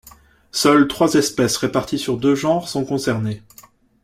Seules trois espèces réparties sur deux genres sont concernées.